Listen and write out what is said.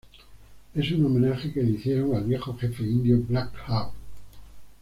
Es un homenaje que le hicieron al viejo jefe indio Black Hawk.